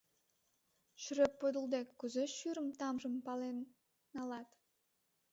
Шрӧ-ӧ-ӧп подылде, кузе шӱрын тамжым пален налат?